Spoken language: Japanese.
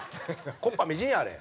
木っ端みじんやあれ。